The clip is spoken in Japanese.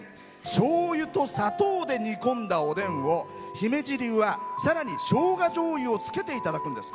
しょうゆと砂糖で煮込んだおでんを姫路流は、さらにしょうがじょうゆをつけていただくんです。